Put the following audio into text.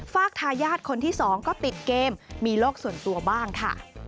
ฝากทายาทคนที่๒ก็ติดเกมมีโลกส่วนตัวบ้างค่ะ